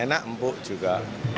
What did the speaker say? enak empuk juga